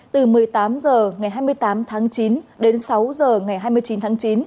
từ một mươi tám h ngày hai mươi tám tháng chín đến sáu h ngày hai mươi chín tháng chín